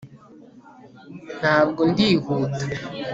Ntabwo ndihuta